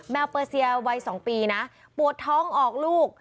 เปอร์เซียวัย๒ปีนะปวดท้องออกลูก